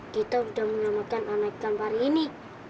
kita udah menyelamatkan anak ikan pari ini